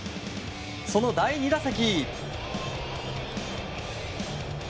その第２打席。